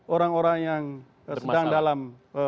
orang orang yang sedang dalam